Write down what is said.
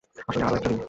আসলে, আরও একটি দিন।